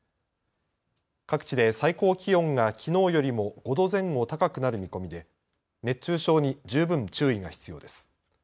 各地で最高気温がきのうよりも５度前後高くなる見込みで熱中症に十分注意が必要です。